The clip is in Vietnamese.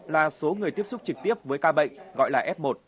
một trăm chín mươi một là số người tiếp xúc trực tiếp với ca bệnh gọi là f một